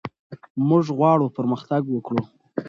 موږ غواړو پرمختګ وکړو.